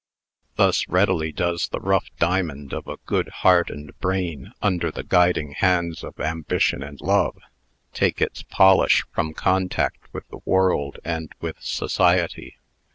Thus readily does the rough diamond of a good heart and brain, under the guiding hands of Ambition and Love, take its polish from contact with the world and with society!